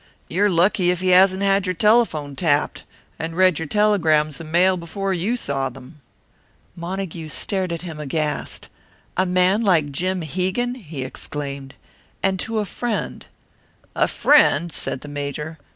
You are lucky if he hasn't had your telephone tapped, and read your telegrams and mail before you saw them." Montague stared at him aghast. "A man like Jim Hegan!" he exclaimed. "And to a friend." "A friend?" said the Major.